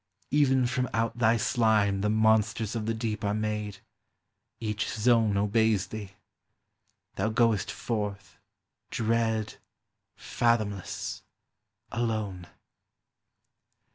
even from out thy slime The monsters of the deep are made; each zone )beys thee; thou goest forth, dread, fathomless, alone.